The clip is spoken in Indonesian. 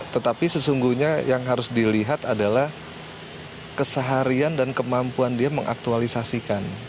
tetapi sesungguhnya yang harus dilihat adalah keseharian dan kemampuan dia mengaktualisasikan